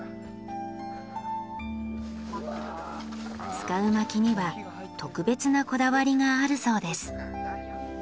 使う薪には特別なこだわりがあるそうです。